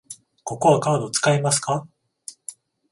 ここはカード使えますか？